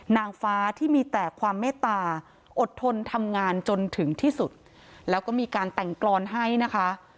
นางฟ้าที่มีแต่ความเมตตาอดทนทำงานจนถึงที่สุดแล้วก็มีการแต่งกรอนให้นะคะ